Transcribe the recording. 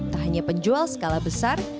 tak hanya penjual skala besar